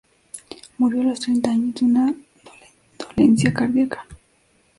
Murió a los treinta años de una dolencia cardíaca.